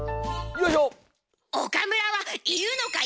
よいしょ！